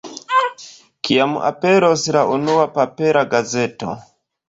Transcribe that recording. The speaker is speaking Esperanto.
Kiam aperos la unua papera gazeto?